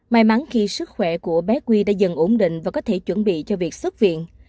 may mắn khi sức khỏe của bé quy đã dần ổn định và có thể chuẩn bị cho việc xuất viện